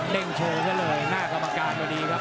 เด้งโชว์เสียเลยหน้าสำกราธิบดีครับ